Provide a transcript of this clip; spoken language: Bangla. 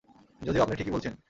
যদিও, আপনি ঠিকই বলছেন।